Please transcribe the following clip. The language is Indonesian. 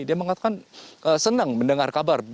dia mengatakan senang mendengar kabar